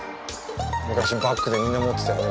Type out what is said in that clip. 昔バッグでみんな持ってたよね